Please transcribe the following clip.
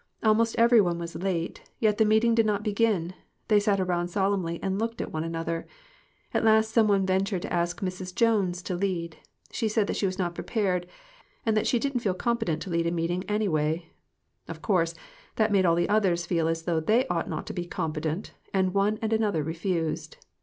Almost every one was late, yet the meeting did not begin ; they sat around solemnly and looked at one another. At last some one ventured to ask Mrs. Jones to lead. She said that she was not prepared, and that she didn't feel competent to lead a meeting, anyway. Of course that made all the others feel as though they ought not to be 'competent,' and one and another refused.